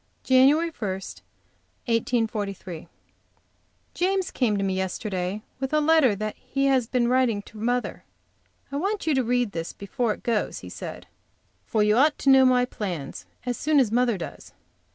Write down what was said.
JAN. 1, 1842. James came to me yesterday with a letter he had been writing to mother. "I want you to read this before it goes," he said, "for you ought to know my plans as soon as mother does."